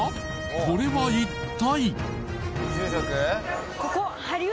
これは一体？